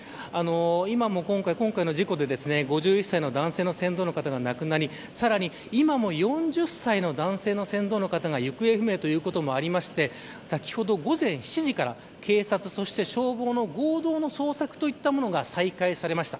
今も、今回の事故で５１歳の男性の船頭の方が亡くなり今も４０歳の男性の船頭の方が行方不明ということもあって先ほど午前７時から警察そして、消防の合同の捜索といったものが再開されました。